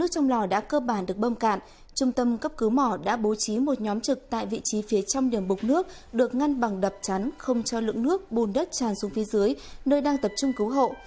trong lò đã cơ bản được bơm cạn trung tâm cấp cứu mỏ đã bố trí một nhóm trực tại vị trí phía trong điểm bục nước được ngăn bằng đập chắn không cho lượng nước bùn đất tràn xuống phía dưới nơi đang tập trung cứu hộ